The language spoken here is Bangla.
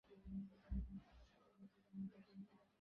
হেই, আপনি ঠিক আছেন?